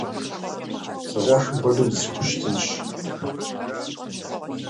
Зэкъуэшым хуэдэу дызэхущытынщ.